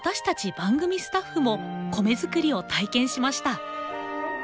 番組スタッフも米作りを体験しました。